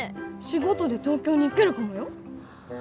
仕事で東京に行けるかもよ？